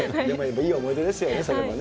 いい思い出ですよね、それはね。